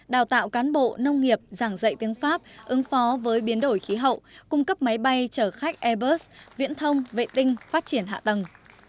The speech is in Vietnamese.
đào tạo cán bộ nông nghiệp giảng dạy tiếng pháp ứng phó với biến đổi khí hậu cung cấp máy bay chở khách airbus viễn thông vệ tinh phát triển hạ tầng